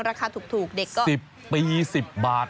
ราคาถูกเด็กก็๑๐ปี๑๐บาท